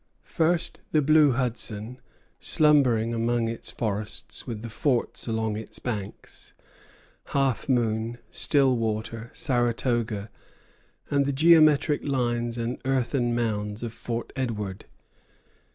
First the blue Hudson, slumbering among its forests, with the forts along its banks, Half Moon, Stillwater, Saratoga, and the geometric lines and earthen mounds of Fort Edward.